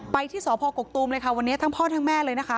ที่สพกกตูมเลยค่ะวันนี้ทั้งพ่อทั้งแม่เลยนะคะ